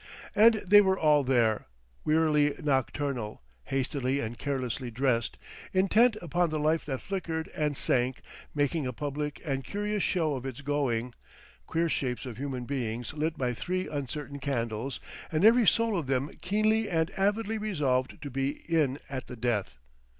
And they were all there, wearily nocturnal, hastily and carelessly dressed, intent upon the life that flickered and sank, making a public and curious show of its going, queer shapes of human beings lit by three uncertain candles, and every soul of them keenly and avidly resolved to be in at the death.